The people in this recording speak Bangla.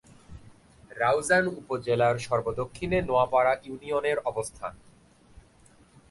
রাউজান উপজেলার সর্ব-দক্ষিণে নোয়াপাড়া ইউনিয়নের অবস্থান।